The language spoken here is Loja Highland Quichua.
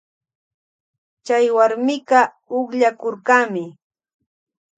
Chay warmika ukllakurkami.